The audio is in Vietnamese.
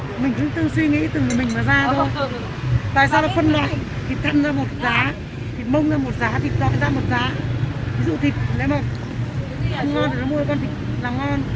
thịt mông ra một giá thịt to ra một giá ví dụ thịt này mà không ngon thì nó mua con thịt làm ngon thịt này mua thịt phải cáo là rẻ riêng là nó rẻ đi thế đâu có gì đâu hoặc là cái nhân của nó không được ngon